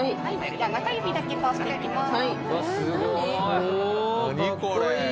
では中指だけ通していきます。